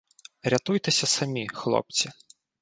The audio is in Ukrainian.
— Рятуйтеся самі, хлопці.